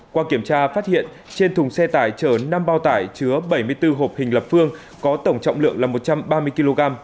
qua kiểm tra phát hiện trên thùng xe tải chở năm bao tải chứa bảy mươi bốn hộp hình lập phương có tổng trọng lượng là một trăm ba mươi kg